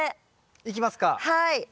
いきますか。